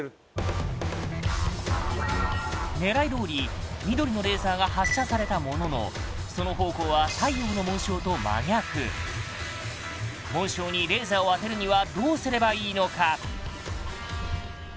狙いどおり緑のレーザーが発射されたもののその方向は太陽の紋章と真逆紋章にレーザーを当てるにはどうすればいいのか？